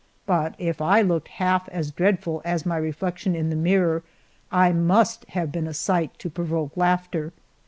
But if I looked half as dreadful as my reflection in the mirror I must have been a sight to provoke laughter.